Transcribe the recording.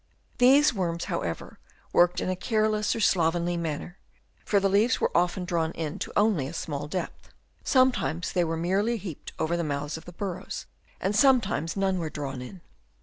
These worms, however, worked in a careless or slovenly manner ; for the leaves were often drawn in to only a small depth ; sometimes they were merely heaped over the mouths of the burrows, and sometimes none were drawn in.